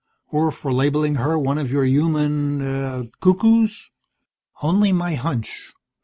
Or for labelling her one of your human er cuckoos?" "Only my hunch.